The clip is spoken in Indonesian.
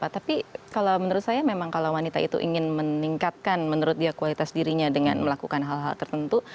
tapi kalau menurut saya memang kalau wanita itu ingin meningkatkan menurut dia kualitas dirinya dengan melakukan hal hal tertentu